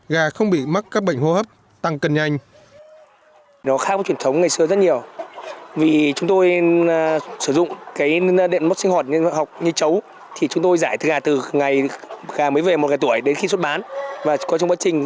gà không bị mắc các bệnh hô hấp tăng cân nhanh